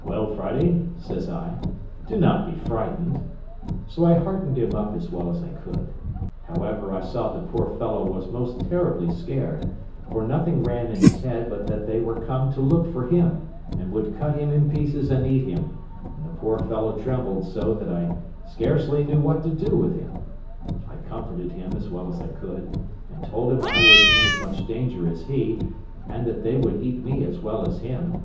"Well, Friday," says I, "do not be frightened." So I heartened him up as well as I could. However, I saw the poor fellow was most terribly scared, for nothing ran in his head but that they were come to look for him, and would cut him in pieces and eat him; and the poor fellow trembled so that I scarcely knew what to do with him. I comforted him as well as I could, and told him I was in as much danger as he, and that they would eat me as well as him.